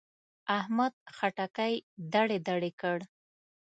احمد خټکی دړې دړې کړ.